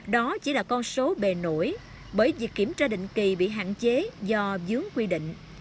đó chỉ là con số bề nổi bởi việc kiểm tra định kỳ bị hạn chế do dướng quy định